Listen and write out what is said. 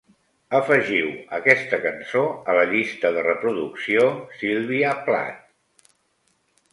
Afegiu aquesta cançó a la llista de reproducció Sylvia Plath